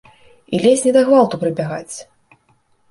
І ледзь не да гвалту прыбягаць?